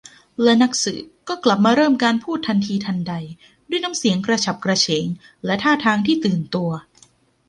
และนักสืบก็กลับมาเริ่มการพูดทันทีทันใดด้วยน้ำเสียงกระฉับกระเฉงและท่าทางที่ตื่นตัว